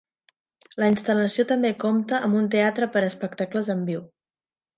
La instal·lació també compta amb un teatre per a espectacles en viu.